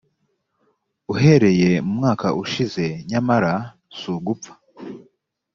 uhereye mu mwaka ushize nyamara si ugupfa